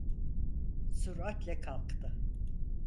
Süratle kalktı.